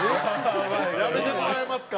やめてもらえますか？